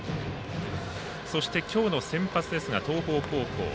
そして、今日の先発ですが東邦高校。